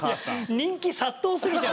人気殺到し過ぎちゃう。